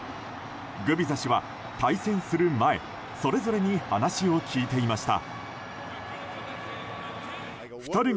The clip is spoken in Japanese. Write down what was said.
グビザ氏は対戦する前それぞれに話を聞いていました。